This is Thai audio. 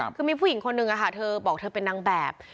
คือมีผู้หญิงคนนึงค่ะเธอบอกเธอเป็นนางแบบ